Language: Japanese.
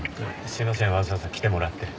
すいませんわざわざ来てもらって。